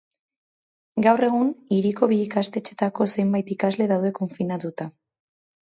Gaur egun, hiriko bi ikastetxetako zenbait ikasle daude konfinatuta.